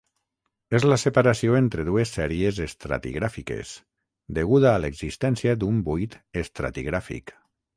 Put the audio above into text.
És la separació entre dues sèries estratigràfiques, deguda a l'existència d'un buit estratigràfic.